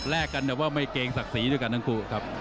กันแบบว่าไม่เกรงศักดิ์ศรีด้วยกันทั้งคู่ครับ